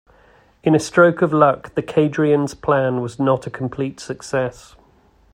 In a stroke of luck, the Kadrians' plan was not a complete success.